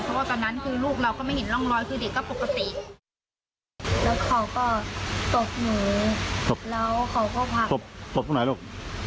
เขาก็ตบหนูตบแล้วเขาก็พักตบตบตรงไหนลูกตบตรงหน้าครับ